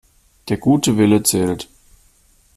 Der gute Wille zählt.